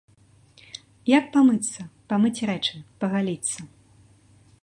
Як памыцца, памыць рэчы, пагаліцца?